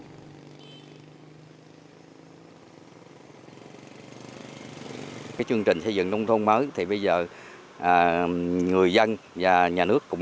chúng ta có thể nhìn thấy các dân ngã được tr yhte tập kích waves hướng dẫn chính quyền